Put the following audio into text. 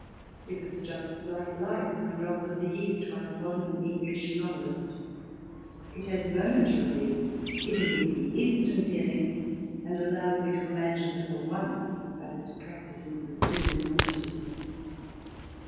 It was just like life, or a novel of the East by a modern English novelist. It had momentarily given me the Eastern feeling, and allowed me to imagine that for once I was prac tising the sin of enormity.